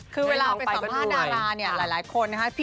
คือเวลาไปสัมภาษณ์ดาราเนี่ยหลายคนนะคะ